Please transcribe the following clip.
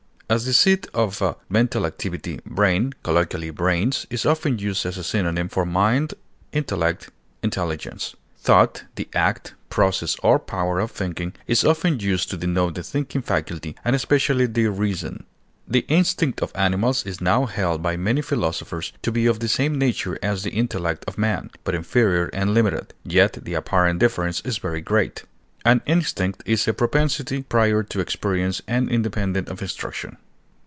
As the seat of mental activity, brain (colloquially brains) is often used as a synonym for mind, intellect, intelligence. Thought, the act, process, or power of thinking, is often used to denote the thinking faculty, and especially the reason. The instinct of animals is now held by many philosophers to be of the same nature as the intellect of man, but inferior and limited; yet the apparent difference is very great. An instinct is a propensity prior to experience and independent of instruction.